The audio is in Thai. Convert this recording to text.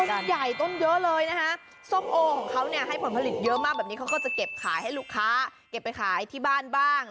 ต้นใหญ่ต้นเยอะเลยนะคะส้มโอของเขาเนี่ยให้ผลผลิตเยอะมากแบบนี้เขาก็จะเก็บขายให้ลูกค้าเก็บไปขายที่บ้านบ้าง